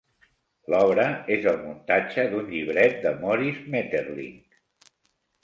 L'obra és el muntatge d'un llibret de Maurice Maeterlinck.